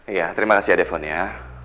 iya terima kasih ya depon ya